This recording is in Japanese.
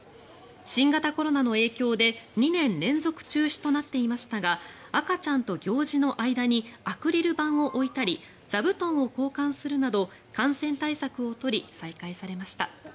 新型コロナの影響で２年連続中止となっていましたが赤ちゃんと行司の間にアクリル板を置いたり座布団を交換するなど感染対策を取り再開されました。